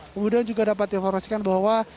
kemudian juga dapat diinformasikan bahwa